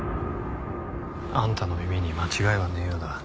あんたの耳に間違いはねえようだ。